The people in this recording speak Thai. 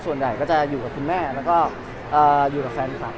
ส่วนใหญ่ก็จะอยู่กับคุณแม่แล้วก็อยู่กับแฟนคลับ